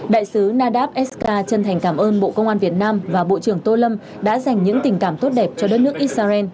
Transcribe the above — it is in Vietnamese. đại sứ nadav eskar chân thành cảm ơn bộ công an việt nam và bộ trưởng tô lâm đã dành những tình cảm tốt đẹp cho đất nước israel